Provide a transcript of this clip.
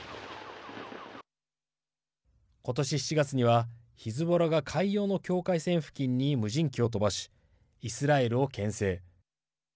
今年７月にはヒズボラが海洋の境界線付近に無人機を飛ばしイスラエルをけん制。